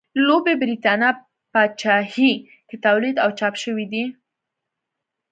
د لویې برېتانیا پاچاهۍ کې تولید او چاپ شوي دي.